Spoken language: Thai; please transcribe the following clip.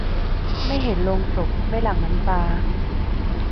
ไม่เห็นโลงศพ ไม่หลั่งน้ำตา